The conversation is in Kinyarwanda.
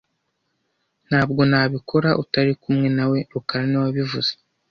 Ntabwo nabikora utari kumwe nawe rukara niwe wabivuze